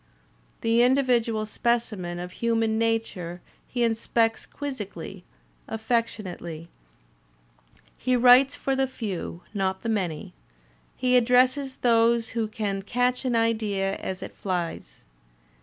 The individual specimen of human nature he inspects quizzically, affectionately. He writes for the few, not the many; he addresses those who can catch an idea as it flies.